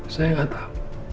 saya gak tau